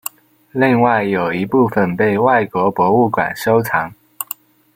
另外有一部份被外国博物馆收藏。